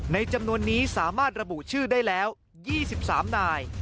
จำนวนนี้สามารถระบุชื่อได้แล้ว๒๓นาย